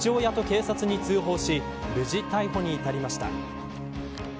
その後、父親と警察に通報し無事、逮捕に至りました。